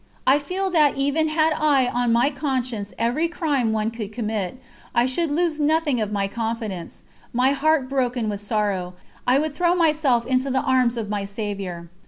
I feel that even had I on my conscience every crime one could commit, I should lose nothing of my confidence: my heart broken with sorrow, I would throw myself into the Arms of my Saviour.